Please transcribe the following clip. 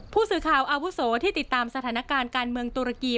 ผู้สื่อข่าวอาวุโสที่ติดตามสถานการณ์การเมืองตุรกี